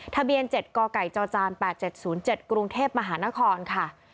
ทะเบียน๗กไก่จจ๘๗๐๗กรุงเทพมหานครค่ะ